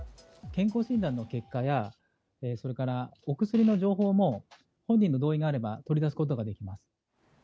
健康診断の結果やそれからお薬の情報も、本人の同意があれば取り出すことができます。